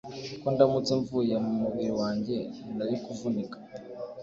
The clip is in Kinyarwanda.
ko ndamutse mvuye mu mubiri wanjye nari kuvunika